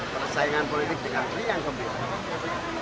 persaingan politik di hari yang kembali